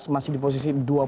masih di posisi dua puluh satu